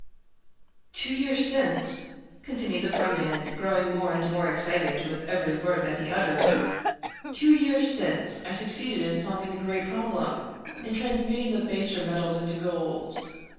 "Two years since," continued the poor man, growing more and more excited with every word that he uttered —" two years since, I succeeded in solving the great prob lem — in transmuting the baser metals into gold.